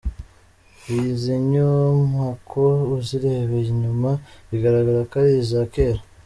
Izi nyumako uzirebeye inyuma bigaragara ko ari iza kera.